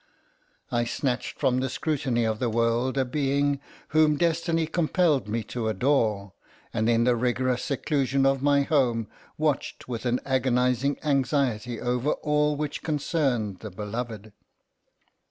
I snatched from the scrutiny of the world a being whom destiny compelled me to adore, and in the rigorous seclusion of my home, watched with an agonizing anxiety over all which concerned the beloved.